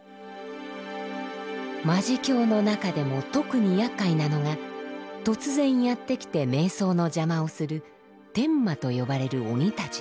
魔事境の中でも特にやっかいなのが突然やって来て瞑想の邪魔をする「天魔」と呼ばれる鬼たちです。